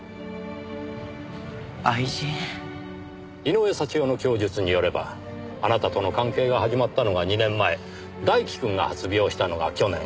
井上祥代の供述によればあなたとの関係が始まったのが２年前大輝くんが発病したのが去年。